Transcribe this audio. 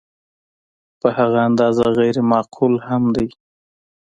په هغه اندازه غیر معقول هم دی.